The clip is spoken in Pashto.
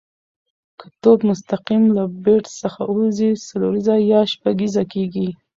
که توپ مستقیم له بېټ څخه وځي، څلوریزه یا شپږیزه کیږي.